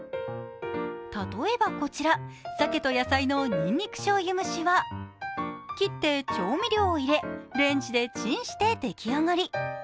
例えばこちら、さけと野菜のにんにくしょうゆ蒸しは切って、調味料を入れ、レンジでチンして出来上がり。